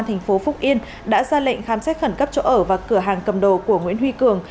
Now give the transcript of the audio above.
thành phố phúc yên đã ra lệnh khám xét khẩn cấp chỗ ở và cửa hàng cầm đồ của nguyễn huy cường